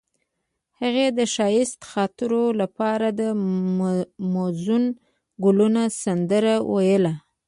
هغې د ښایسته خاطرو لپاره د موزون ګلونه سندره ویله.